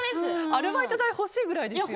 アルバイト代欲しいくらいですよね。